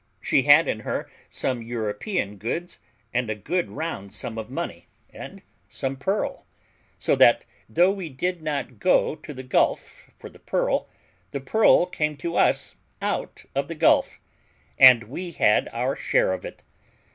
She had in her some European goods, and a good round sum of money, and some pearl; so that, though we did not go to the gulf for the pearl, the pearl came to us out of the gulf, and we had our share of it.